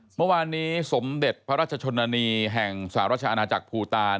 เมื่อวานนี้สมเด็จพระราชชนนีแห่งสหราชอาณาจักรภูตาล